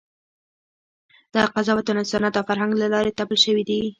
دغه قضاوتونه د سنت او فرهنګ له لارې تپل شوي دي.